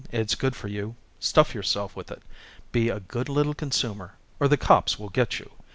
It's good for you. Stuff yourself with it. Be a good little consumer, or the cops will get you....